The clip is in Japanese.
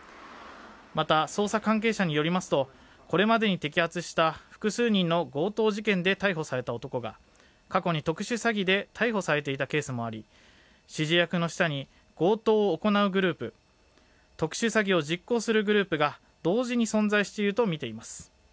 また、捜査関係者によりますとこれまでに摘発した複数人の強盗事件で逮捕された男が過去に特殊詐欺で逮捕されていたケースもあり指示役の下に強盗を行うグループ、特殊詐欺を実行するグループが同時に存在しているとみています。